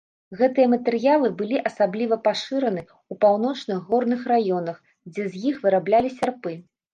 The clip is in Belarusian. Гэтыя матэрыялы былі асабліва пашыраны ў паўночных горных раёнах, дзе з іх выраблялі сярпы.